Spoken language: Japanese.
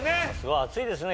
熱いですね